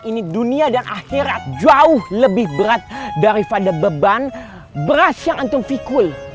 ini dunia dan akhirat jauh lebih berat daripada beban beras yang antum vikul